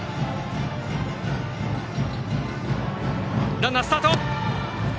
ランナー、スタート！